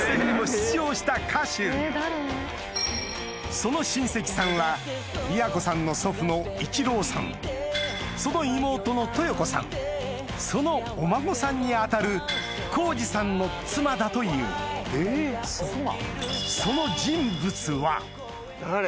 その親戚さんは京さんの祖父の一郎さんその妹の豊子さんそのお孫さんに当たる弘司さんの妻だというその人物は